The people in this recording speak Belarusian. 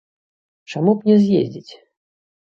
Чаму б не з'ездзіць?